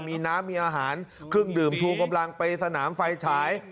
มีน้ำมีอาหารเครื่องดื่มชูกำลังไปสนามไฟฉาย